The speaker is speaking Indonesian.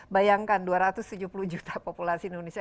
bayangkan dua ratus tujuh puluh juta populasi indonesia